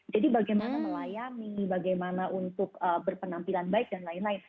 jadi bagaimana melayani bagaimana untuk berpenampilan baik dan lain lain